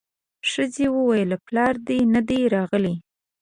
ښځې وويل پلار دې نه دی راغلی.